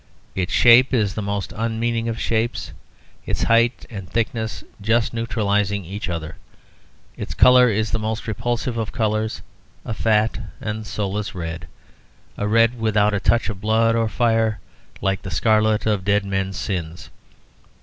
Its shape is the most unmeaning of shapes, its height and thickness just neutralising each other; its colour is the most repulsive of colours a fat and soulless red, a red without a touch of blood or fire, like the scarlet of dead men's sins.